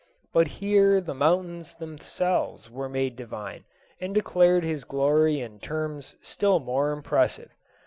But here the mountains themselves were made divine, and declared His glory in terms still more impressive.